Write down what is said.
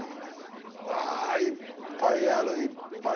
わあいっぱいあるいっぱいある。